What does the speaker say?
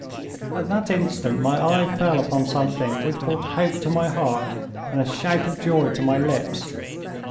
At that instant my eye fell upon something which brought hope to my heart and a shout of joy to my lips.